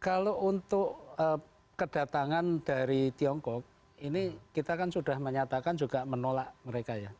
kalau untuk kedatangan dari tiongkok ini kita kan sudah menyatakan juga menolak mereka ya